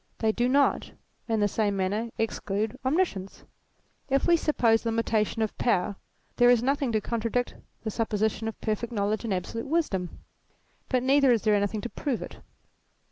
They do not, in the same manner, exclude omniscience : if we suppose limitation of power, there is nothing to contradict the supposition of perfect knowledge and absolute wisdom. But neither is there anything to prove it.